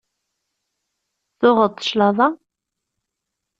Tuɣeḍ-d claḍa?